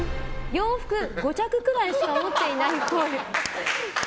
洋服５着くらいしか持っていないっぽい。